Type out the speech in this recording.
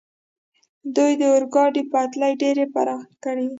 دوی د اورګاډي پټلۍ ډېرې پراخې کړې.